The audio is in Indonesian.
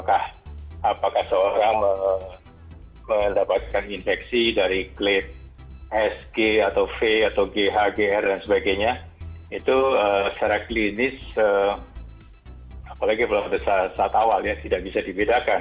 apakah seorang mendapatkan infeksi dari klit s g v gh gr dan sebagainya itu secara klinis apalagi saat awalnya tidak bisa dibedakan